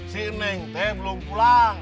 si neng itu belum pulang